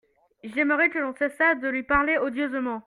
J'aimerais que l'on cessât de lui parler odieusement.